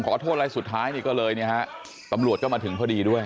ขอโทษอะไรสุดท้ายนี่ก็เลยเนี่ยฮะตำรวจก็มาถึงพอดีด้วย